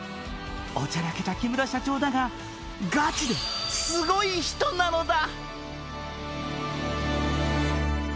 おちゃらけた木村社長だがガチですごい人なのだ！